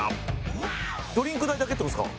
ドリンク代だけって事ですか？